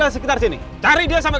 silakan berikap pak